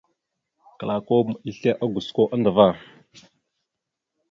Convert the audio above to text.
Klakom islégosko andəvá.